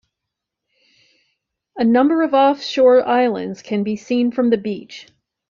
A number of off-shore islands can be seen from the beach.